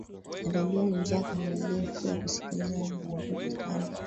redio ni njia kamilifu ya kusikiliza nyimbo nzuri sana